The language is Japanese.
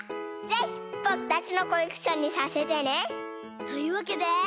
ぜひぼくたちのコレクションにさせてね！というわけで。